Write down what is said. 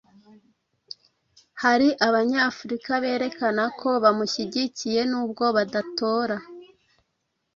hari Abanyafurika berekana ko bamushyigikiye nubwo badatora,